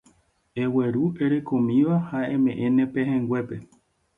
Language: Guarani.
Egueru erekomíva ha eme'ẽ ne pehẽnguépe